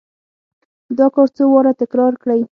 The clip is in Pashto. دا کار څو واره تکرار کړئ.